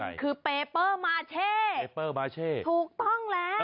ใช่คือเปเปอร์มาเช่เปเปอร์มาเช่ถูกต้องแล้ว